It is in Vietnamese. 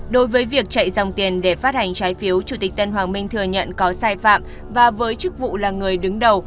đối với việc chạy dòng tiền để phát hành trái phiếu chủ tịch tân hoàng minh thừa nhận có sai phạm và với chức vụ là người đứng đầu